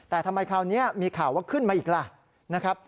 แต่ทำไมคราวนี้มีข่าวว่าขึ้นมาอีกล่ะนะครับ